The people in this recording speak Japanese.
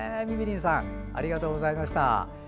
みみりんさんありがとうございました。